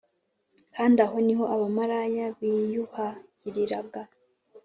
kandi aho ni ho abamalaya biyuhagiraga